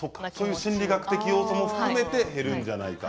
心理学要素も含めて減るんじゃないか。